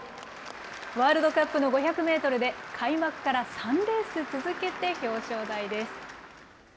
ワールドカップの５００メートルで、開幕から３レース続けて表彰台です。